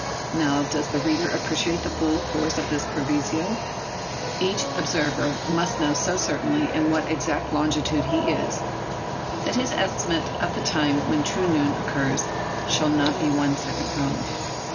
Now, does the reader appreciate the full force of this proviso? Each observer must know so certainly in what exact longitude he is, that his estimate of the time when true noon occurs shall not be one second wrong!